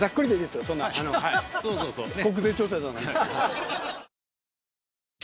そうそうそうねっ。